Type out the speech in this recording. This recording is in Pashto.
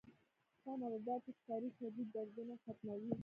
سمه ده دا پيچکارۍ شديد دردونه ختموي.